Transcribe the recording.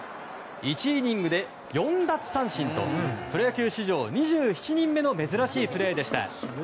１イニングで４奪三振とプロ野球史上２７人目の珍しいプレーでした。